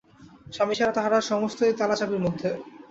স্বামী ছাড়া তাঁহার আর সমস্তই তালাচাবির মধ্যে।